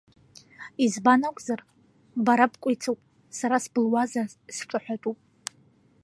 Избан акәзар, бара бкәицуп, са сбылуазар сҿаҳәатәуп.